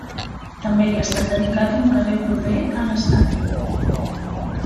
També li ha estat dedicat un carrer proper a l'estadi.